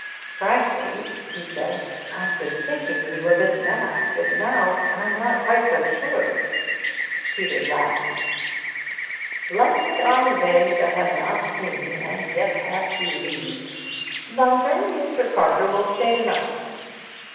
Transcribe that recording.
"Frankly," he said, "I've been thinking you a bit mad, but now I'm not quite so sure of it." Peter laughed. "Blessed are they that have not seen and yet have believed. Bunter, Mr. Parker will stay the night."